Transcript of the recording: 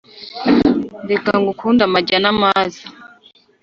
Ndeka ngukunde amajya namaza